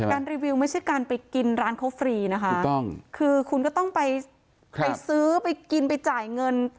รีวิวไม่ใช่การไปกินร้านเขาฟรีนะคะถูกต้องคือคุณก็ต้องไปซื้อไปกินไปจ่ายเงิน